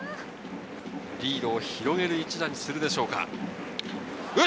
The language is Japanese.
リードを広げる一打にするでしょうか。